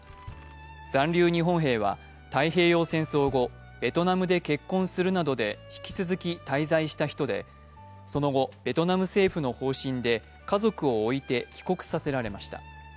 残留日本兵は太平洋戦争後、ベトナムで結婚するなどで引き続き滞在した人でその後、ベトナム政府の方針で家族を置いて帰国させられました。